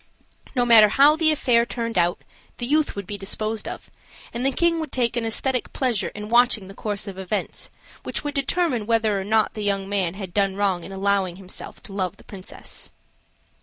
No matter how the affair turned out, the youth would be disposed of, and the king would take an aesthetic pleasure in watching the course of events, which would determine whether or not the young man had done wrong in allowing himself to love the princess.